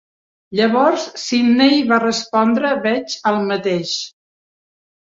Llavors Sidney va respondre: "Veig el mateix.